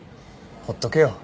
ほっとけよ。